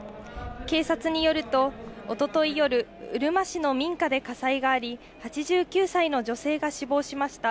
警察によると、おととい夜、うるま市の民家で火災があり、８９歳の女性が死亡しました。